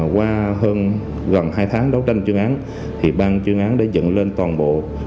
qua hơn gần hai tháng đấu tranh chuyên án thì ban chuyên án đã dựng lên toàn bộ